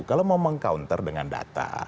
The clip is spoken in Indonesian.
kalau mau meng counter dengan data